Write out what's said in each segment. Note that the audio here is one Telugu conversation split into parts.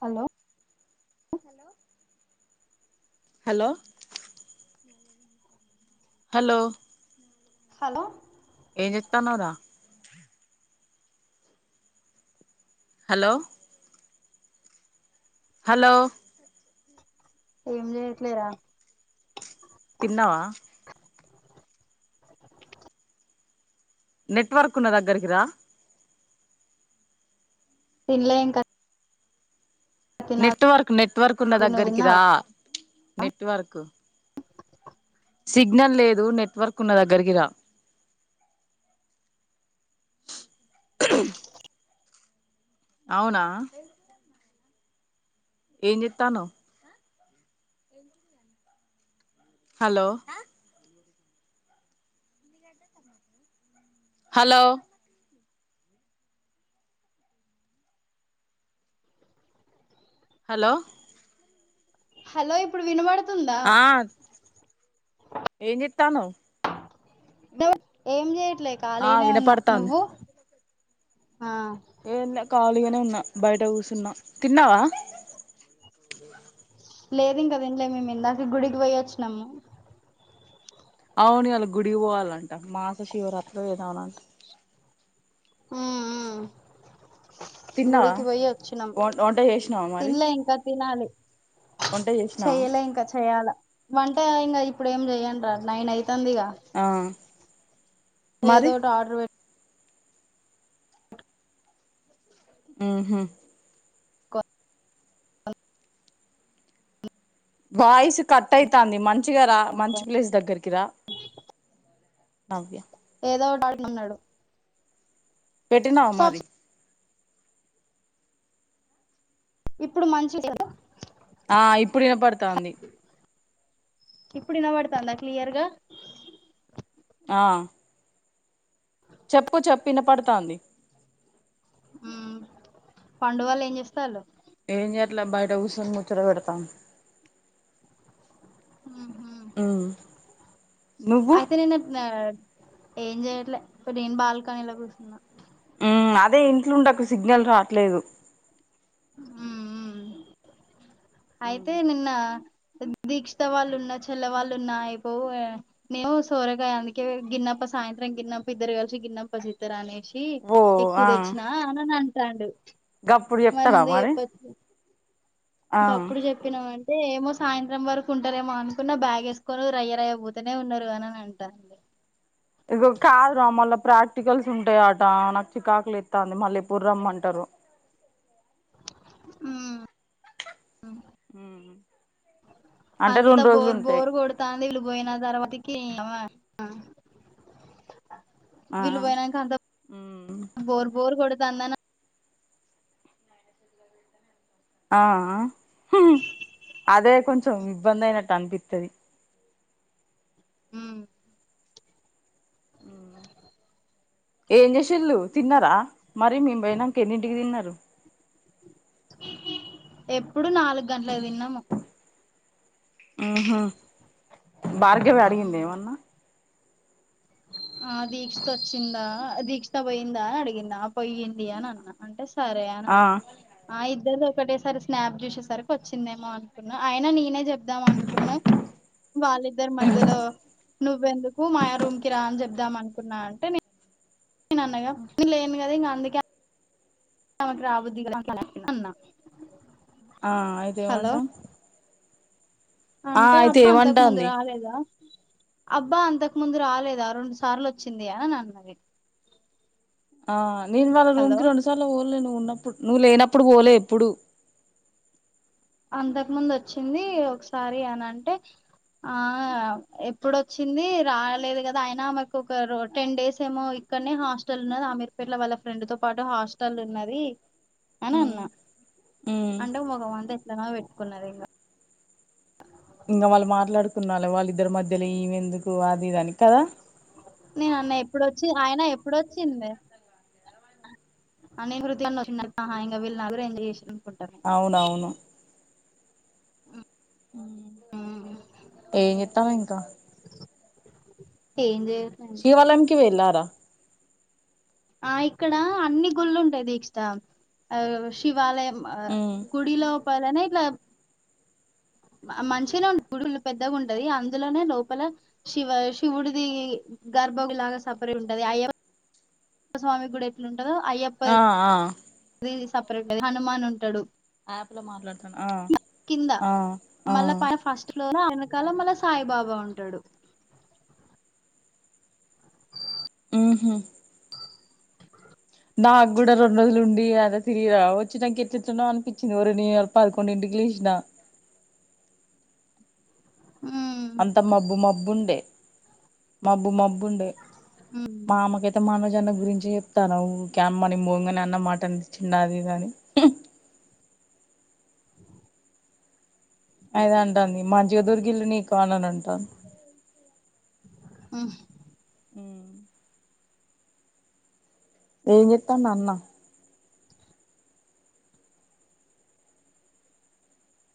హలో హలో హలో హలో ఏం చెత్తాన్నవ్ రా హలో హలో ఏం చేయట్లేరా తిన్నావా నెట్వర్క్ ఉన్న దగ్గరికిరా తిన్నలే ఇంకా తినాలి నెట్వర్క్ నెట్వర్క్ ఉన్న నువ్వు దగ్గరికి తిన్నావా రా నెట్వర్క్ సిగ్నల్ లేదు నెట్వర్క్ ఉన్న దగ్గరికిరా ఓ అవునా ఏం చేత్తన్నావ్ హలో హలో హలో హలో ఇప్పుడు వినబడుతుందా ఆ ఏం జేత్తున్నావ్ డో ఏం చేయట్లే ఆ ఖాళీనే ఉన్నా వినపడతాంది నువ్వు ఆ ఏంలే ఖాళీగానే ఉన్నా బయట కూసున్న తిన్నావా లేదు ఇంకా తిన్నలే మేము ఇందాకే గుడికి పోయి ఆచ్చినాము అవును ఇవ్వాళ గుడి పోవాలంట మాస శివరాత్రిలో ఏదో అన్న అంటారు ఉ ఉ తిన్నావా గుడికి పోయి ఆచ్చినాం వం వంట చేసినావా మరి తిన్నలే ఇంకా తిన్నలి వంట చేసినావా చెయ్యలే ఇంకా చెయ్యాలా వంట ఇంగ ఇప్పుడ ఏం చెయ్యన్ రా నైన్ అయితాందిగా అ ఏదో ఒటి ఆర్డర్ పెట్ మ్హు అ వాయిస్ కట్ అయితాంది. మంచిగ రా మంచి ప్లేస్ దగ్గరికి రా. నవ్య ఏదో ఓటి అంటున్నాడు పెట్టినావ మరి ఇప్పుడు మంచి లేదా ఆ ఇప్పుడు వినపడుతాంది. ఇప్పుడు ఇనబడుతాంద క్లియర్ గా ఆ అ చెప్పు చెప్పు ఇనపడ్తాంది మ్ పండువాళ్ళు ఏం చేస్తళ్ళు ఏం చేయట్లే బయట కూసుని, ముచ్చట పెడతాంది. మ్హు ఉమ్ నువ్వు అయితే నేను ఏం చేయట్లే ఇప్పుడ్ నేను బాల్కనీలో కూర్చున్న. మ్ అదే ఇంట్లో ఉండకు సిగ్నల్ రావట్లేదు. మ్ మ్ అయితే నిన్న దీక్షిత వాళ్ళున్న చెల్ల వాళ్ళున్నా అయిపోవు. మేము సోరగాయ అందుకే గిన్నప్ప సాయంత్రం గిన్నప్ప ఇద్దరు కలిసి గిన్నప్ తప్పచితర అనేసి ఓ ఎక్కువ ఆ తెచ్చినా అనని అంటాండు గప్పుడు మరి చెప్తారా ముందే చెప్పొచ్చుగా ఇంక ఆ అప్పుడు చెప్ చెప్పినవ్ అంటే ఏమో సాయంత్రం వరకు ఉంటారేమో అనుకున్నా. బ్యాగేసుకొని రయ్య రయ్య పోతనే ఉన్నారుగా అనని అంటంది. ఇప్పుడు కాదురా మళ్ళా ప్రాక్టికల్స్ ఉంటాయట నాకు చికాకు లేత్తాంది మళ్ళీ ఎప్పుడు రమ్మంటారో మ్ అంటే అంతా రెండు రోజులు బోర్ ఉంటాయి బోర్ కొడు తాంది వీళ్ళు పోయిన తర్వాతకి నియవ్వ ఆ వీల్లు పోయినంక అంత బోర్ బోర్ కొడుతాంది అనన్ ఆ అదే కొంచెం ఇబ్బంది అయినట్టు అనిపిత్తది మ్ ఏం చేసిళ్ళు తిన్నారా మరి మేం పోయినంక ఎన్నింటికి తిన్నారు? ఎప్పుడు నాలుగు గంటలకి తిన్నాము. మ్హు భార్గవి అడిగింద ఏమన్న? ఆ దీక్షత వచ్చిందా, దీక్షత పోయిందా అడిగింద ఆ పోయింది అని అన్న అంటే సరే అని ఆ అన్న ఆ ఇద్దరిది ఒకటేసారి స్నాప్ చూసేసరికి వచ్చిందేమో అనుకున్నా అయినా నేనే చెప్ ద్దామ్ అనుకున్నా వాళ్ళిద్దరి మధ్యలో నువ్వెందుకు మాయా రూమ్ కి రా అని చెబుదామనుకున్నా అంటే, నేను అన్నాగ నేను లేను కదా ఇంగ అందు నాకు రాబుద్ధికాకనే అన్నా ఆ అయితే హలో ఏమంటాం ఆ అంటే అయితే అబ్బా అంతకముందు ఏమంటాంది రాలేదా అబ్బా అంతకు ముందు రాలేదా రొండు సార్లు వచ్చిందిగా అని అన్నది ఆ నేను వాళ్ళ రూమ్ హలో కి రెండుసార్లు పోలే నువ్వు ఉన్నప్పుడు, నువ్వు లేనప్పుడు పోలే ఎప్పుడు. అంతకు ముందు వచ్చింది ఒకసారి అని అంటే ఆ ఎప్పుడొచ్చింది రాలేదు కదా అయినా మాకు ఒక టెన్ డేస్ ఏమో ఇక్కడనే హాస్టల్ ఉన్నది అమీర్ పేట్ వాళ్ళ ఫ్రెండ్ తో పాటు హాస్టల్లో ఉన్నది అని ఉమ్ అన్నా ఉమ్ అంటే మొహం అంతా ఎట్లనో పెట్టుకున్నది ఇంకా వాళ్ళు మాట్లాడుకున్నలు వాళ్ళిద్దరి మధ్యలో ఈమె ఎందుకు అది ఇదని కదా నేను అన్న ఇప్పుడొచ్చి అయినా ఎప్పుడొచ్చింది అని [unintelligible] వచ్చా ఇంకా వీళ్ళ నలుగురు ఏం చేసునుకుంటారు అవునవును హ్మ్ హు ఏం చెత్తానవ్ ఇంకా ఏం జే శివాలయం కి వెళ్ళారా ఆ ఇక్కడ అన్ని గుళ్ళు ఉంటాయి దీక్షిత ఆ శివాలయం ఆ ఉమ్ గుడిలోపలనా ఇట్లా మంచిగానే ఉంటది గుడి పెద్దగా ఉంటది అందులోనే లోపల శివ శివుడిది గర్భ గుడి లాగా సపరేట్ గా ఉంటది అయ్య స్వామి కూడా ఎట్ల ఉంటదో అయ్యప్ప ఆ ఆ అది సపరేట్ ఏ హనుమాన్ ఉంటాడు ఆప్ లో మాట్లాడతాను ఆ కింద ఆ ఆ మళ్ళా ఫస్ట్ లో ఆ వెనకాల మళ్ళా సాయిబాబా ఉంటాడు హ్మ్ హు నాకు కూడా రెండు రోజులు ఉండి అలా తిరిగి వచ్చినాంకా ఎట్లట్లనో అనిపించింది ఓరని పదకొండింటికి లేసినా ఉమ్ అంత మబ్బు మబ్బుండే మబ్బు మబ్బు ఉండే ఉమ్ మా అమ్మ కి [unintelligible] గురించి చెప్తాన్నావ్ క్యాం మనిం ముంగని అన్నమాటని చిన్నది ఇది అది అని అదే అంటంది మంచిగా దొరికిళ్లు నీకు కోడలు ఆహ్ హ్మ్ ఏం చేత్తండు అన్న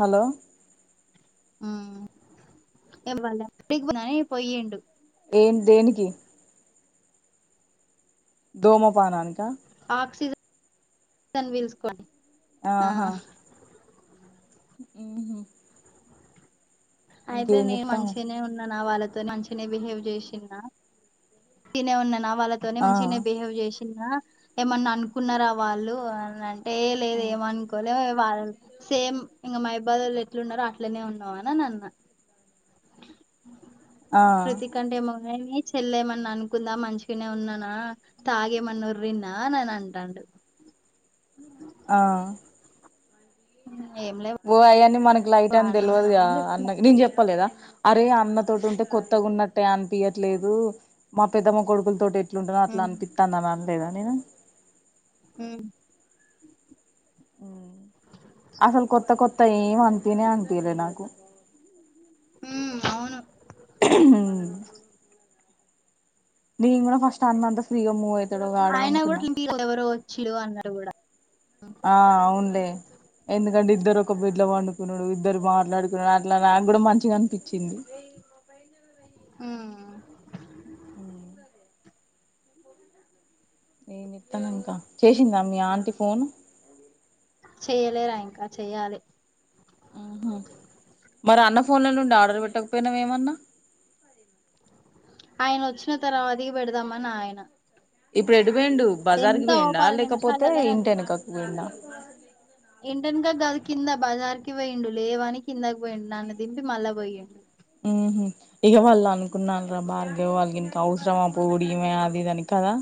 హలో హ్మ్ ఇవాళ [unintelligible] పొయ్యిండు ఏం దేనికి ధూమపానానికా ఆక్సిజన్ పీల్చుకొని ఆ ఆహా ఉమ్ హూ అయితే నేను చెత్తాన్నవ్ మంచిగనే ఉన్నానా వాళ్ళతోని మంచి ఇట్లనే బిహేవ్ చేసిన తినే ఉన్నన వాళ్ళకు నే ఆ మంచిగా బిహేవ్ చేసిన్నా ఏమన్నా అనుకున్నారా వాళ్ళు అనంటే ఏ లేదు ఏమనుకో లే వాళ్ళ సేమ్ ఇంకా మాబ్బలోళ్ళు ఎట్లున్నరో అట్లనే ఉన్నావునని అన్నారు ఆ ఎందుకంటే ముని చెల్లేమన్నా అనుకుందా మంచిగానే ఉన్నానా తాగేమనోరీన్న అన్ అంటుండు ఆ ఏం లేవ్ ఓ అయ్యిని మనకి లైట్ అని తెలియదుగా చెప్పిన అన్న నేను చెప్పలేదా అరే అన్న తోటి ఉంటే కొత్తగా ఉన్నట్టే అనిపియట్లేదు మా పెద్దమ్మ కొడుకుల తోటి ఇట్లుంటుందో అట్లా హ్మ్ అపిస్తాంది అని లేదా నేను ఉమ్ మ్ అసలు కొత్త కొత్త ఏం అనిపియానే అనిపియలేదు నాకు మ్ అవును మ్ నేను గూడా ఫస్ట్ అన్నంత ఫ్రీగా మూ అయి ఆయన గూడా ఇంటికి ఎవరో వచ్చిలు అన్నాడు గూడా ఆ అవును లే ఎందుకంటే ఇద్దరు ఒక బిడ్డ పండుకునుడు ఇద్దరు మాట్లాడుకునుడు అట్లా నాకు గూడా మంచిగానిపించింది ఉ ఏం చేతన్నామ్ ఇంకా చేసిందా మీ ఆంటి ఫోన్ చెయ్యలేరా ఇంకా చెయ్యాలి ఉహు మరి అన్న ఫోన్ల నుండి ఆర్డర్ పెట్టకపోయినవ్ ఏమన్నా ఆయన వచ్చిన తరవాత పెడదామని ఆగిన ఇప్పుడు ఎటు పోయిండు బజార్కి పోయిడా పది లేకపోతే నిమిషాలలోనే ఇంటి ఎనకకి పోయిండా ఇంటెన్కాకి గాదు కింద బజార్కి పోయిండు లేవని కిందకి పోయిండు నన్ను దింపి మళ్ళా పోయిండు ఉహు ఇగా వాళ్ళు అనుకున్నారు రా బార్గవు వాళ్ళు ఇంక ఈమెకి అవసరమా పోవుడు ఈమె అది ఇదని కదా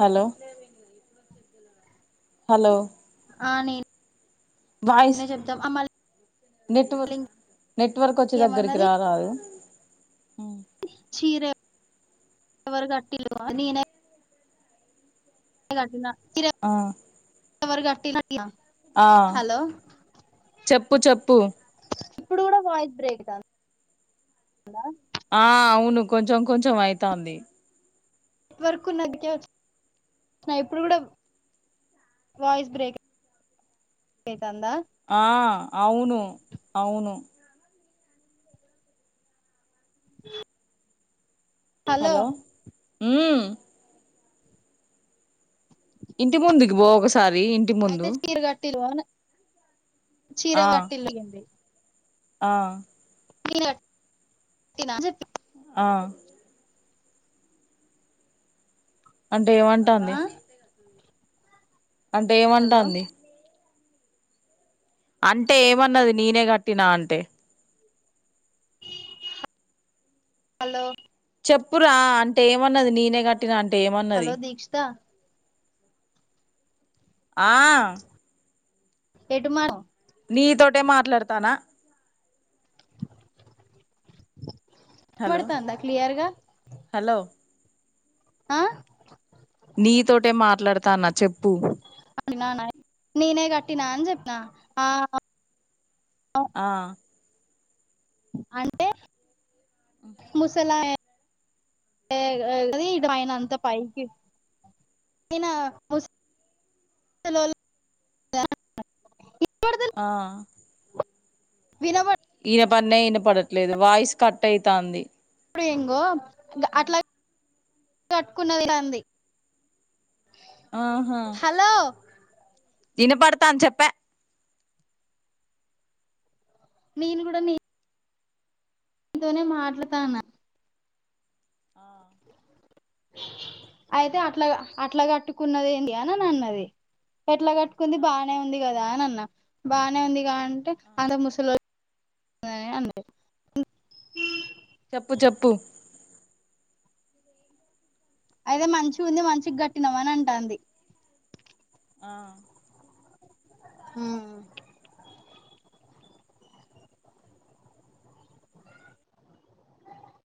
హలో హలో ఆ నేను వాయిస్ అనే చెబ్దాం అ మళ్ళా నెట్వర్క్ నెట్వర్క్ వచ్చే దగ్గరికి ఇంకేమన్నది రారాదు మ్ చీర ఎవరు కట్టియలేదు నేనే కట్టిన చీర ఆ ఎవరుకట్టిల [unintelligible] ఆ చెప్పు చెప్పు ఇప్పుడు గూడా వాయిస్ బ్రేక్ అయితందా ఆ అవును కొంచెం కొంచెం అయితంది నేట్ వర్కు ఉన్నదికే వచ్చిన ఇప్పుడు గూడా వాయిస్ బ్రేక్ అవుతుందా ఆ అవును అవును [inaudible] హలో మ్ ఇంటి ముందుకి పో ఒకసారి ముందు అయితే చీరగట్టిలో చీర ఆ గట్టిలుండి ఆ చీర కట్టిన ఆ అంటే ఏమంటాంది అంటే హలో ఏమంటంది అంటే ఏమన్నది నేనే కట్టినా అంటే హలో చెప్పురా అంటే ఏమన్నది నేనే గట్ టీనా అంటే ఎమాన్ హలో దీక్షత ఆ ఎడుమరు నీతోటే మాట్లాడతనా హలో ఇనపడతాందా క్లియర్ గా హలో ఆ నీతోటే మాట్లాడతాన్న చెప్పు టిన ఐ నేనే కట్టినా అని చెప్పిన ఆ ఆ అంటే ముసలా ఎ ఎ కద ఇ పైనంత అంత పైకి అయినా ముస్ [unintelligible] ఇప్పటిదా ఆ కో వినపడ్ ఇనపనే ఇనపడట్లేదు వాయిస్ కట్ అయితంది ఇప్పుడు ఇంగో దా అట్లా చట్టుకున్నది అంది ఆహా హలో వినపడతాది చెప్పే నేను గూడా నీ నీతోనే మాట్లాతాన్నా ఆ అయితే అట్లా అట్లా కట్టుకున్నది ఏంటి అని అన్నది ఎట్లా కట్ కుంది బానే ఉంది కదా అని అన్నా బానే ఉంది గా అంటే అంత ముసిలోల్ చెప్పు చెప్పు అయితే మంచి ఉంది మంచి గట్టినవు అని అంటంది ఆ ఉ